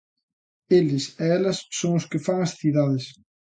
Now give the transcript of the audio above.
Eles e elas son os que fan as cidades.